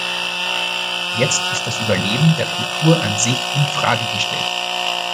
Jetzt ist das Überleben der Kultur an sich in Frage gestellt.